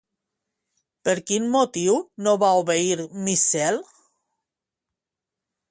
Per quin motiu no va obeir, Míscel?